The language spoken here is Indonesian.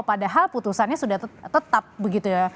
padahal putusannya sudah tetap begitu ya